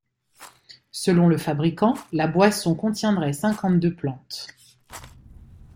Selon le fabricant, la boisson contiendrait cinquante-deux plantes.